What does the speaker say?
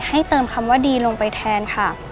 เติมคำว่าดีลงไปแทนค่ะ